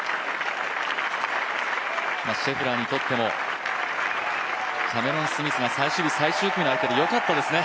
シェフラーにとっても、キャメロン・スミスが最終日、最終組の相手でよかったですね。